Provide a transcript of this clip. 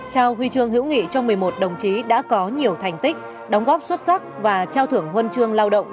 trao huy chương hữu nghị cho một mươi một đồng chí đã có nhiều thành tích đóng góp xuất sắc và trao thưởng huân chương lao động